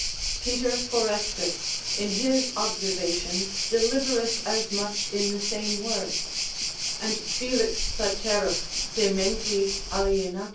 Peter Forestus in his observations delivereth as much in the same words: and Felix Platerus de mentis alienat.